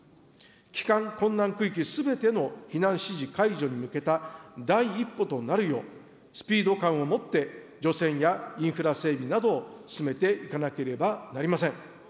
帰還困難区域すべての避難指示解除に向けた第一歩となるよう、スピード感を持って、除染やインフラ整備などを進めていかなければなりません。